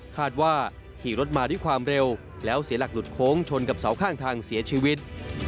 คาดว่าขี่รถมาด้วยความเร็วแล้วเสียหลักหลุดโค้งชนกับเสาข้างทางเสียชีวิต